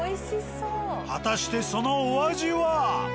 果たしてそのお味は？